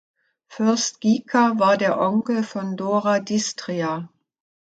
Fürst Ghica war der Onkel von Dora d’Istria.